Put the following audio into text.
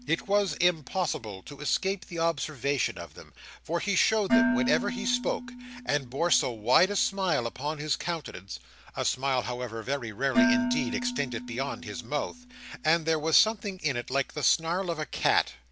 It was impossible to escape the observation of them, for he showed them whenever he spoke; and bore so wide a smile upon his countenance (a smile, however, very rarely, indeed, extending beyond his mouth), that there was something in it like the snarl of a cat.